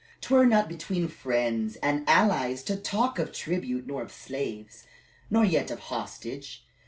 "'T were not between friends and allies to talk of tribute, nor of slaves, nor yet of hostage.